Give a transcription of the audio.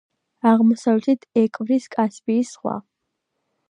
აღმოსავლეთით ეკვრის კასპიის ზღვა.